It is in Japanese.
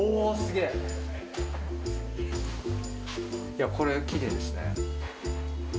いや、これ、きれいですね。